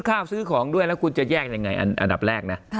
ซื้อของด้วยแล้วคุณจะแยกยังไงอันดับแรกนะ